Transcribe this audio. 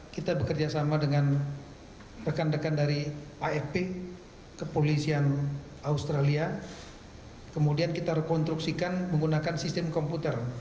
kita bekerja sama dengan rekan rekan dari afp kepolisian australia kemudian kita rekonstruksikan menggunakan sistem komputer